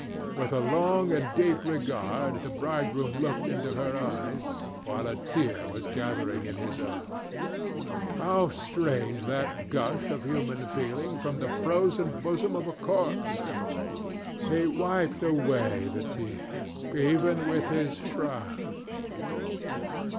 With a long and deep regard the bridegroom looked into her eyes, while a tear was gathering in his own. How strange that gush of human feeling from the frozen bosom of a corpse! He wiped away the tear, even with his shroud.